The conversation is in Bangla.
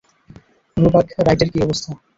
রোবাক রাইটের কী অবস্থা?